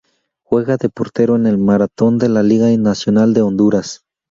Juega de portero en el Marathón de la Liga Nacional de Honduras.